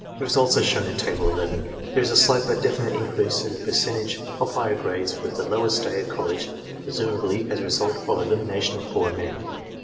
The results are shown in Table 11. There is a slight but definite increase in the per centage of higher grades with the longer stay at college, pre sumably as the result of the elimination of poorer men.